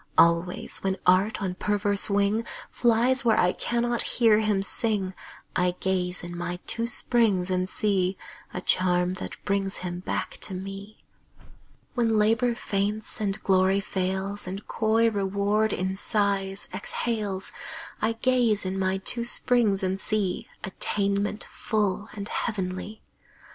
Always, when Art on perverse wing Flies where I cannot hear him sing, I gaze in my two springs and see A charm that brings him back to me. When Labor faints, and Glory fails, And coy Reward in sighs exhales, I gaze in my two springs and see Attainment full and heavenly.